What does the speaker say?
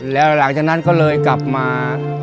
แล้วหลังจากนั้นก็เลยกลับมา